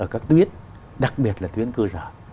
các tuyến đặc biệt là tuyến cơ sở